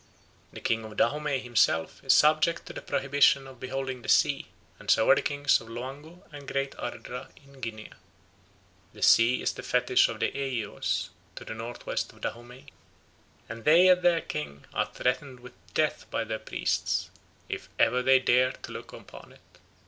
The king of Dahomey himself is subject to the prohibition of beholding the sea, and so are the kings of Loango and Great Ardra in Guinea. The sea is the fetish of the Eyeos, to the north west of Dahomey, and they and their king are threatened with death by their priests if ever they dare to look on it.